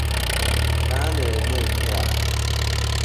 Ka a na-eme nke a